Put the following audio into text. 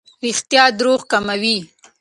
رښتیا درواغ کموي.